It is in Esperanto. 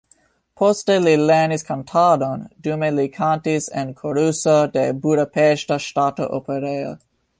Poste li lernis kantadon, dume li kantis en koruso de Budapeŝta Ŝtata Operejo.